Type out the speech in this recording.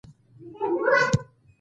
نن یې هم په نړۍ کې ساری نه لیدل کیږي.